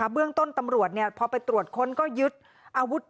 เบื้องต้นตำรวจพอไปตรวจค้นก็ยึดอาวุธ